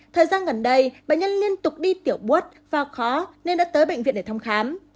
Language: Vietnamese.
thời gian gần đây bệnh nhân liên tục đi tiểu but và khó nên đã tới bệnh viện để thăm khám